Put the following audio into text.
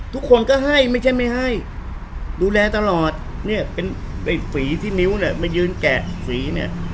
ทุกคนก็ให้ไม่ใช่ไม่ให้ดูแลตลอดเนี่ยเป็นไอ้ฝีที่นิ้วเนี่ยมายืนแกะฝีเนี่ย